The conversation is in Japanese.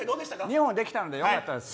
２本できたのでよかったです。